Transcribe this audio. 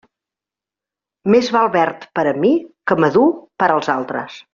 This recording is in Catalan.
Més val verd per a mi que madur per als altres.